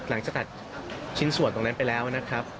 หลังจากตัดชิ้นส่วนตรงนั้นไปแล้วนะครับ